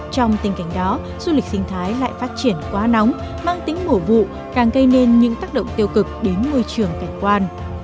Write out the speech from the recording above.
trong tình cảnh đó du lịch sinh thái lại phát triển quá nóng mang tính mổ vụ càng gây nên những tác động tiêu cực đến môi trường cảnh quan